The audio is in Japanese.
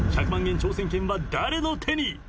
１００万円挑戦権は誰の手に？